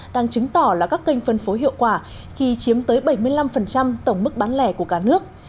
đang chứng tỏ là các kênh phân phối hiệu quả khi chiếm tới bảy mươi năm tổng mức bán lẻ của cả nước